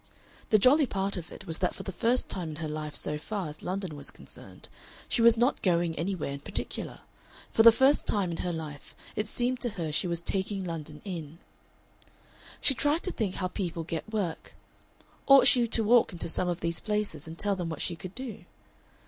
The jolly part of it was that for the first time in her life so far as London was concerned, she was not going anywhere in particular; for the first time in her life it seemed to her she was taking London in. She tried to think how people get work. Ought she to walk into some of these places and tell them what she could do?